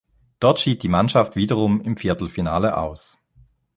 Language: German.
Dort schied die Mannschaft wiederum im Viertelfinale aus.